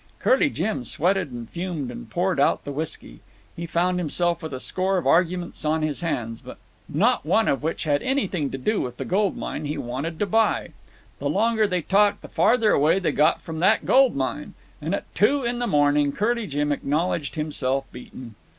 Curly Jim sweated and fumed and poured out the whisky. He found himself with a score of arguments on his hands, not one of which had anything to do with the gold mine he wanted to buy. The longer they talked the farther away they got from that gold mine, and at two in the morning Curly Jim acknowledged himself beaten.